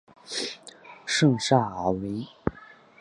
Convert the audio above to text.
圣萨尔维。